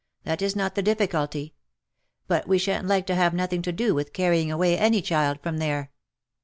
That is not the difficulty. But we shan't like to have nothing to do with carrying away any child from there."